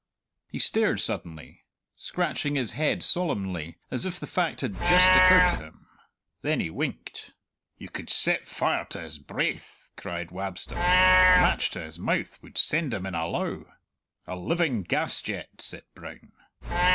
He stared suddenly, scratching his head solemnly as if the fact had just occurred to him. Then he winked. "You could set fire to his braith!" cried Wabster. "A match to his mouth would send him in a lowe." "A living gas jet!" said Brown.